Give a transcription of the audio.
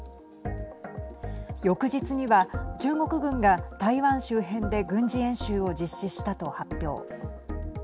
翌日には、中国軍が台湾周辺で軍事演習を実施したと発表。